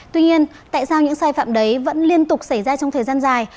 tuy nhiên tại sao những sai phạm đấy vẫn liên tục xảy ra trong thời gian dài